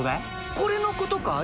これのことかい？